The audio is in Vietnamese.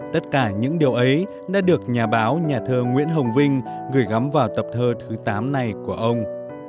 tất cả những điều ấy đã được nhà báo nhà thơ nguyễn hồng vinh gửi gắm vào tập thơ thứ tám này của ông